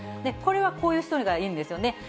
これはこういう人がいいんですよね。